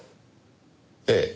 ええ。